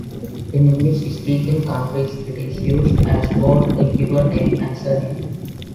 In English-speaking countries it is used as both a given name and surname.